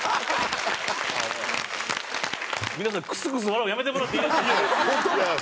皆さんクスクス笑うのやめてもらっていいですか？